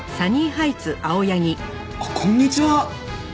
あっこんにちは！